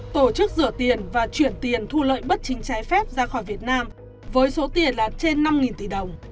tổ chức rửa tiền và chuyển tiền thu lợi bất chính trái phép ra khỏi việt nam với số tiền là trên năm tỷ đồng